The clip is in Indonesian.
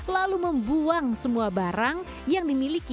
lalu membuang semua barang yang dimiliki